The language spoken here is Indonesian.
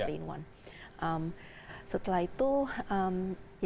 setelah itu ya saya datang untuk pesan berita